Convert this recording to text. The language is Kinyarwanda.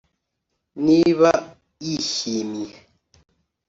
niba yishyimye